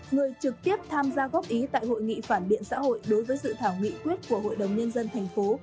người trực tiếp tham gia góp ý tại hội nghị phản biện xã hội đối với dự thảo nghị quyết của hội đồng nhân dân thành phố